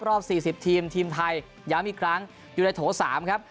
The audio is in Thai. ๔๐ทีมทีมไทยย้ำอีกครั้งอยู่ในโถ๓ครับ